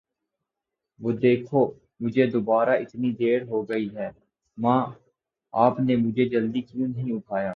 وه دیکھو. مجهے دوباره اتنی دیر ہو گئی ہے! ماں، آپ نے مجھے جلدی کیوں نہیں اٹھایا!